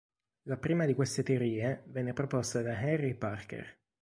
La prima di queste teorie venne proposta da Henry Parker.